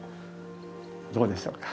どうでしょうか？